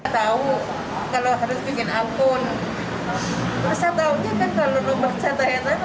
tidak tahu kalau harus bikin akun